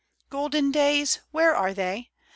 Golden days — where are they ?